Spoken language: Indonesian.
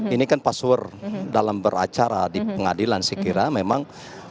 ini kan password dalam beracara di pengadilan saya kira memang